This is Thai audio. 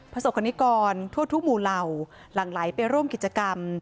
ประสบกรณิกรทั่วทุกหมู่เหล่าหลั่งไหลไปร่วมกิจกรรม